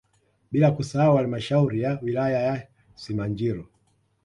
Bila kusahau halmashauri ya wilaya ya Simanjiro